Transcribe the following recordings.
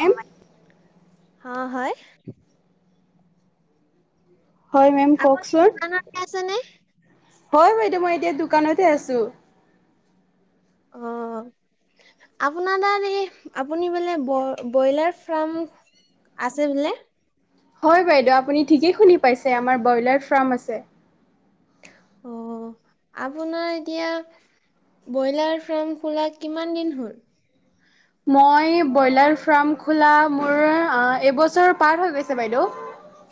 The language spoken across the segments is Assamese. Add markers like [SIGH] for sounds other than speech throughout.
মেম অ' হয়। হয় মেম আপুনি কওকচোন। দোকানতে আছে নে? হয় বাইদেউ মই এতিয়া দোকানতে আছো। অ'। আপোনাৰ তাত এই আপুনি বোলে ব ব্ৰইলাৰ ফ্ৰাম‌ আছে বোলে? হয় বাইদেউ আপুনি ঠিকেই শুনি আমাৰ বইলাৰ ফ্ৰাম আছে। অ। আপোনাৰ এতিয়া বইলাৰ ফ্ৰাম খোলা কিমান দিন হল? মই বইলাৰ ফ্ৰাম খোলা মোৰ অ এবছৰ পাৰ হৈ গৈছে বাইদেউ।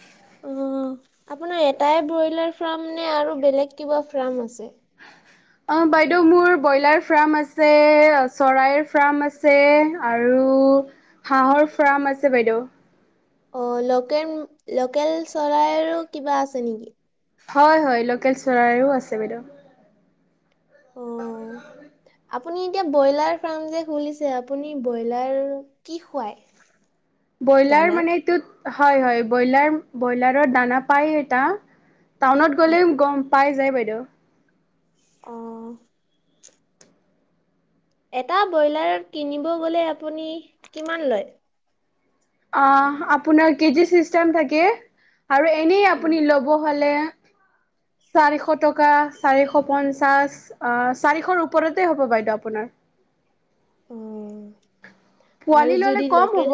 [INAUDIBLE] অ' আপোনাৰ এটাই ব্ৰইলাৰ ফ্ৰাম নে আৰু বেলেগ কিবা ফ্ৰাম আছে? অ বাইদেউ মোৰ বইলাৰ ফ্ৰাম আছে চৰাইৰ ফ্ৰাম আছে আৰ- আৰু হাঁহৰ ফ্ৰাম আছে বাইদেউ। অ লোকেল - লোকেল চৰাইৰো কিবা আছে নেকি? হয় হয় লোকেল চৰাইৰো আছে বাইদেউ। অ [UNINTELLIGIBLE] আপুনি এতিয়া বইলাৰ ফ্ৰাম যে খুলিছে, আপুনি বইলাৰ কি খুৱাই? ব্ৰইলাৰ মানে এইটোত হয় হয় বইলাৰ বইলাৰত দানা পায় এটা, টাউনত গ'লে গম পাই যায় বাইদেউ। অ'। এটা বইলাৰত কিনিব গ'লে আপুনি কিমান লয়? অ আপোনাৰ কেজি চিষ্টেম থাকে আৰু এনেই আপুনি ল'ব হলে [INAUDIBLE] চাৰিশ টকা, চাৰিশ পঞ্চাছ অহ চাৰিশৰ ওপৰতে হ'ব বাইদেউ আপোনাৰ। [INAUDIBLE] অ' আৰু পোৱালি ললে যদি কম লোকেল হব?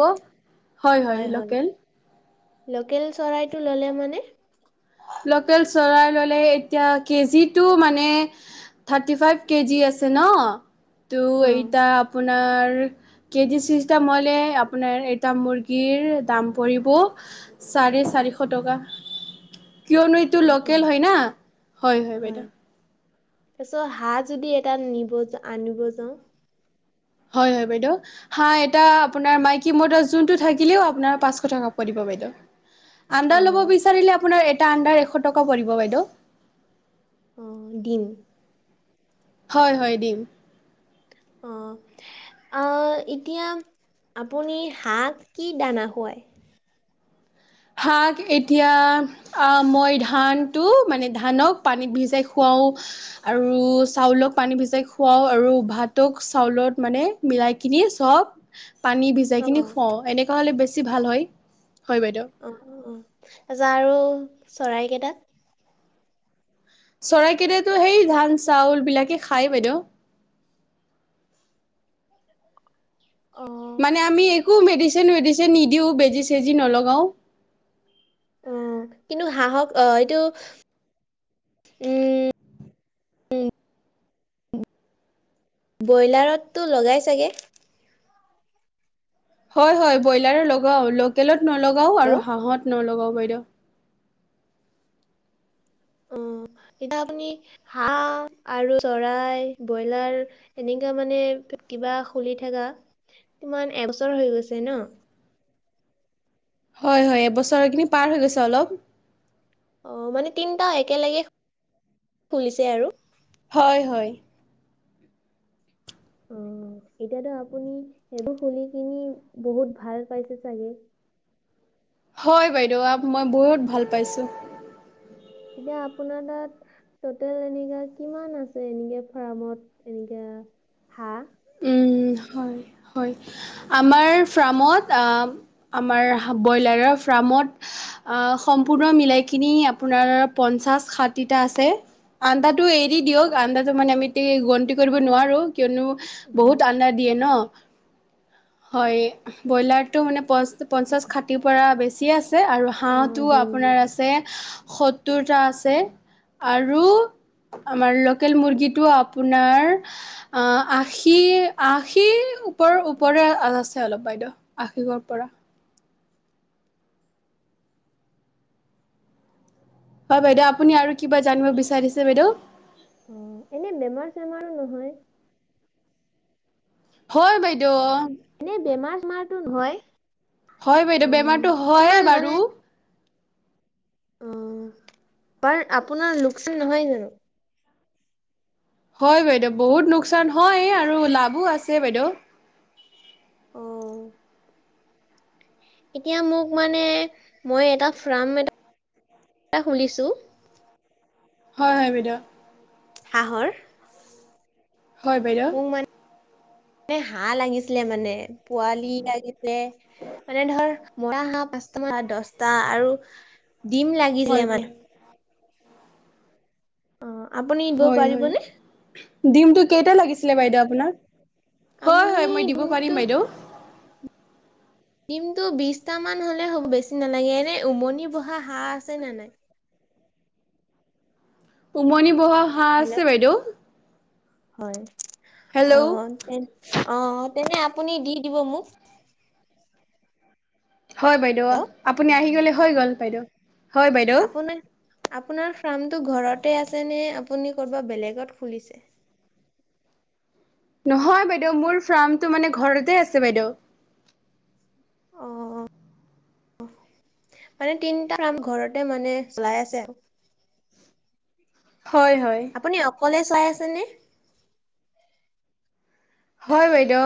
হয় হয় লকেল। লোকেল চৰাইটো ল'লে মানে? লোকেল চৰাই ললে এতিয়া কেজি টো মানে থাৰ্তী ফাইভ কেজি আছ - আছে ন টো অ' এইটা আপোনা- আপোনাৰ কেজি চিষ্টেম হলে আপোনাৰ এটা মুৰ্গীৰ দাম পৰিব চাৰে চাৰিশ টকা। [INAUDIBLE] কিয়নো এইটো অ' অ' লোকেল হয় না, হয় হয় বাইদেউ। তাৰপিছত হাঁহ যদি এটা নিব যা - আনিব যাওঁ? হয় হয় বাইদেউ, হাঁহ এটা আপোনাৰ মাইকী মতা যোনটো থাকিলেও আপোনাৰ পাঁচশ টকা পৰিব। বাইদেউ। আণ্ডা লব অ' বিছাৰিলে আপোনাৰ এটা আণ্ডাৰ এশ টকা পৰিব বাইদেউ। উম ডিম। হয় হয় ডিম। অহ। আ এতিয়া আপুনি হাঁক কি দানা খুৱাই? হাঁক এতিয়া আ মই ধান টো মানে ধানক পানীত ভিজাই খুৱাও। ও আৰু চাউলক পানী ভিজাই খুৱাও আৰু ভাতক চাউলত মানে মিলাই কিনি চব পানী ভিজাই অ' কিনি অ' খুৱাও এনেকুৱা হলে বেছি ভাল হয়, হয় বাইদেউ। অ অ অ। তাপিছ আৰু চৰাইকেইটাত। চৰাইকেইটাতো সেই ধান চাউল বিলাকে খাই বাইদেউ। অ' মানে আমি একো মেডিচিন ৱেডিচিন নিদিওঁ বেজি চেজি নলগাওঁ। উম। কিন্তু হাহক অহ এইটো উম। উম। ব্ৰইলাৰততো লগাই চাগে? হয় হয় ব্ৰইলাৰত লগাও। লোকেলত নলগাও আৰু হেল্ল'। হাঁহত নলগাও বাইদেউ। অ। এতিয়া আপুনি হাঁহ আৰু চৰাই, ব্ৰইলাৰ এনেকা মানে কিবা খুলি থাকা। কিমান এবছৰ হৈ গৈছে ন? হয় হয় এবছৰ এখিনি পাৰ হৈ গৈছে অলপ। অ মানে তিনটা একেলেগে খুলিছে আৰু হয় হয়। অ। এতিয়াতো আপুনি এইটো খুলি কিনি বহুত ভাল পাইছে চাগে? হয় বাইদেউ আ মই বহুত ভাল পাইছো। কিবা আপোনাৰ তাত তোটেল এনেকা কিমান আছে, এনেকে ফাৰ্মত এনেকা। হা। উম হয়। হয়। আমাৰ ফ্ৰামত আ আমাৰ ব্ৰইলাৰৰ ফাৰ্মত আ সম্পূৰ্ণ মিলাইকিনি আপোনাৰ পঞ্চাছ, ষাঠিটা আছে। আণ্ডাটো এৰি দি দিয়ক। আণ্ডাটো মানে আমি তেই গন্তি কৰিব নোৱাৰো কিয়নো বহুত আণ্ডা দিয়ে ন হয় ব্ৰইলাৰটো মানে পচ পঞ্চাছ খাটি পৰা বেছি আছে আৰু অ', হাঁহটো দিম আপোনাৰ দিম। আছে। সত্তৰটা আছে আৰু আমাৰ লোকেল মুৰ্গীটো আপোনাৰ আ আঠ আশী আশী ওপৰ ওপৰে আছে অলপ বাইদেউ। আশীব পৰা। হয় বাইদেউ আপুনি আৰু কিবা জানিব বিচাৰিছে বাইদেউ? অ এনেই বেমাৰ চেমাৰ নহয়। হয় বাই। এনে বেমাৰ চেমাৰটো নহয়। হয় বাইদেউ অ', বেমাৰতো হয় কিমান মানে বাৰু। অ বাৰ আপোনাৰ লোকচান নহয় জানো? হয় বাইদেউ বহুত লোকচান হয় আৰু লাভো আছে বাইদেউ। অ। এতিয়া মোক মানে মই এটা ফ্ৰাম এটা খুলিছো। হয় হয় বাইদেউ। হাঁহৰ। হয় বাইদেউ। এ হাঁহ লাগিছিলে মানে। পোৱালি লাগিছে মানে ধৰ মৰা হাঁহ পাঁচটা বা দছটা আৰু দিম হয় লাগিলে মানে। বাইদেউ অ আপুনি দিব পাৰিবনে? দিমটো কেইটা লাগিছিলে বাইদেউ আপোনাক? হয় আপুনি হয় মই দিব পাৰিম দিমটো বাইদেউ। দিমটো বিছটা মান হলে হব। বেছি নালাগে এনে উমনি বহা হাঁহ আছে নে নাই? উমনি বহা হাঁহ হেল্ল' আছে বাইদেউ। হয় অ হেল্ল' তে অ তেনে আপুনি দি দিব মোক। হয় বাইদেউ। হেল্ল'। আপুনি আহি গলে হৈ গ'ল বাইদেউ। হয় বাইদেউ। আপোনাৰ আপোনাৰ ফ্ৰামটো ঘৰতে আছে নে আপুনি ক'বাত বেলেগত খুলিছে? নহয় বাইদেউ মোৰ ফাৰ্মটো মানে ঘৰতে আছে বাইদেউ আহঁ মানে তিনটা কাম ঘৰতে মানে চলাই আছে আৰু হয় হয় আপুনি অকলে চাই আছেনে হয় বাইদেউ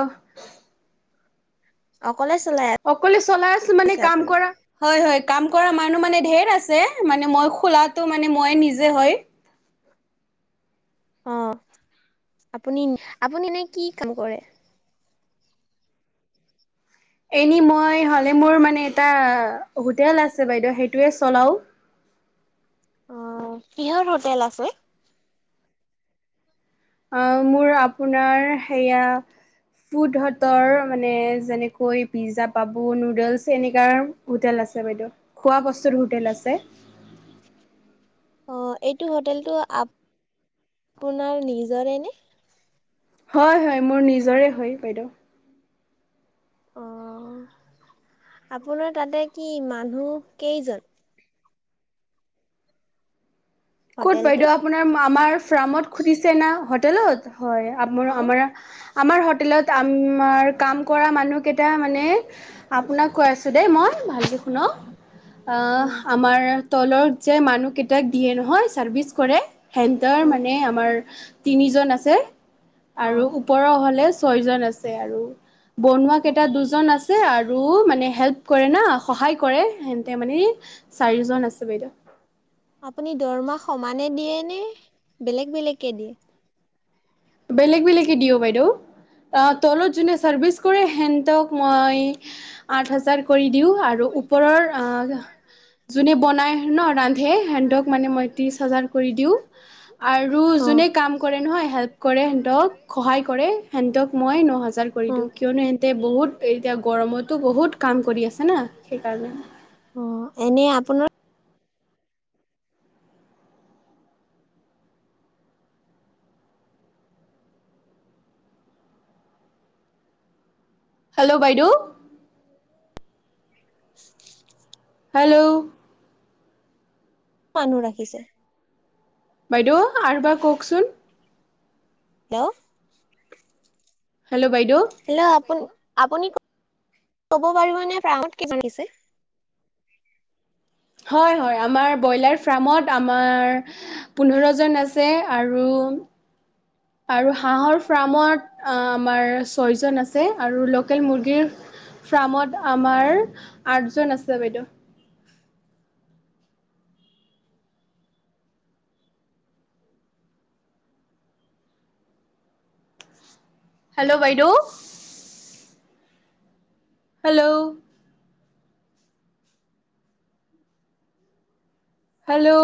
অকলে চলাই অকলে চলাই আছো মানে আছে কাম আপুনি? কৰা হয় হয়। কাম কৰা মানুহ মানে ধেৰ আছে মানে মই খোলাটো মানে মই নিজে হয়। অ আপুনি আপুনি এনে কি কাম কৰে? এনে মই হলে মোৰ মানে এটা হোটেল আছে বাইদেউ সেইটোৱে চলাও আহ কিহৰ হোটেল আছে? আহ মোৰ আপোনাৰ সেয়া ফুড হতৰ মানে যেনেকৈ পিজ্জা পাব নুডলছ এনেকা হোটেল আছে বাইদেউ খোৱা বস্তুৰ হোটেল আছে অ এইটো হোটেলটো আপোনাৰ নিজৰে নে? হয় হয় মোৰ নিজৰে হয় বাইদেউ। অ আপোনাৰ তাতে কি মানুহ কেইজন? ক'ত বাইদেউ হোটেলটোত? আপোনাৰ আমাৰ ফাৰ্মত সুধিছে না হোটেলত হয় আ অ', আমাৰ আমাৰ হোটেলত আমাৰ কাম কৰা মানুহকেইটা মানে আপোনাক কৈ আছোঁ দেই মই ভাব ন অ আমাৰ তলত যে মানুহ কেইটাক দিয়ে নহয় চাৰ্ভিচ কৰে হেতৰ অ', মানে আমাৰ তিনিজন আছে আৰু অ', ওপৰৰ হলে ছয় জন আছে আৰু বনোৱা অ'। কেইটা দুজন আছে আৰু মানে হেল্প কৰে না সহায় কৰে হেনতে মানে চাৰিজন আছে বাইদেউ আপুনি দৰমাহ সমানে দিয়ে নে বেলেগ বেলেগকে দিয়ে বেলেগ বেলেগকে দিও বাইদেউ অ তলত যোনে চাৰ্ভিচ কৰে সেতক মই আঠ হাজাৰ কৰি দিওঁ আৰু ওপৰৰ আহ যোনে বনাই ন ৰান্ধে সেতক মানে মই ত্ৰিছ হাজাৰ কৰি দিও আৰু যোনে অ', কাম কৰে নহয় হেল্প কৰে সিহঁতক সহায় কৰে সিহতক মই নহ হা ব কৰি দিওঁ অ'। কিয়নো সিহতে বহুত এতিয়া গৰমতো বহুত কাম কৰি আছে না সেইকাৰণে অ এনে আপোনাৰ হেল্ল' বাইদেউ [UNINTELLIGIBLE] হেল্ল' মানুহ ৰাখিছে বাইদেউ আৰু বা কওকচোন হেল্ল হেল্ল' বাই হেল্ল' আপুনি আপুনি কব পাৰিবনে ফ্ৰামত কি চলিছে হয় হয় আমাৰ ব্ৰইলাৰ ফাৰ্মত আমাৰ পোন্ধৰ জন আছে আৰু উ আৰু হাঁহৰ ফাৰ্মত আমাৰ ছয় জন আছে আৰু লোকেল মুৰ্গীৰ ফ্ৰামত আমাৰ আঠজন আছে বাইদেউ হেল্ল' বাইদেউ। হেল্ল'। হেল্ল'।